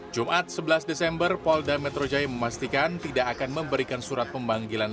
jumat sebelas desember polda metro jaya memastikan tidak akan memberikan surat pemanggilan